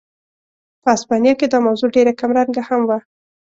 په هسپانیا کې دا موضوع ډېره کمرنګه هم وه.